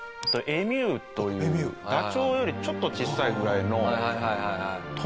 エミューというダチョウよりちょっと小さいぐらいの鳥ですね。